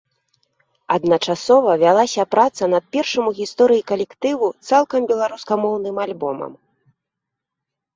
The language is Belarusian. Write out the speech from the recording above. Адначасова вялася праца над першым у гісторыі калектыву цалкам беларускамоўным альбомам.